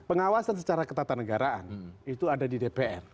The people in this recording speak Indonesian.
pengawasan secara ketatanegaraan itu ada di dpr